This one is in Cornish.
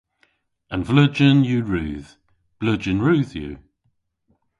An vleujen yw rudh. Bleujen rudh yw.